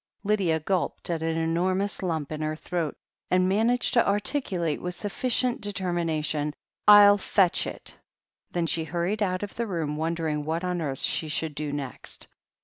Lydia gulped at an enormous lump in her throat and managed to articulate with sufficient determination : "ril fetch it/' Then she hurried out of the room, wondering what on earth she should do next.